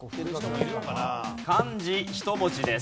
漢字１文字です。